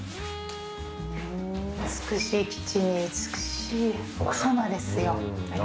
美しいキッチンに美しい奥様ですよ。